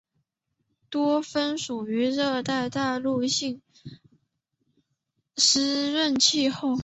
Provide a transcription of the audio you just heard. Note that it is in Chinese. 多芬属温带大陆性湿润气候。